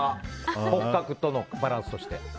骨格とのバランスとして。